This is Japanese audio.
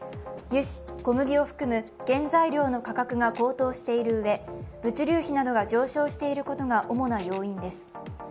油脂・小麦を含む原材料の価格が高騰しているうえ、物流費などが上昇していることが主な要因です。